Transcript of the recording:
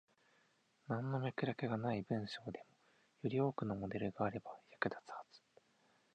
なんの脈絡がない文章でも、より多くのモデルがあれば役立つはず。